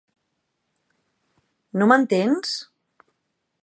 No m'entens?